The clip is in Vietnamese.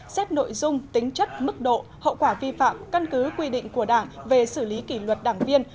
xét nội dung tính chất mức độ hậu quả vi phạm căn cứ quy định của đảng về xử lý kỷ luật đảng viên